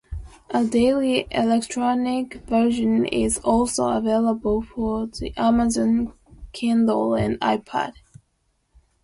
A daily electronic version is also available for the Amazon Kindle and iPad.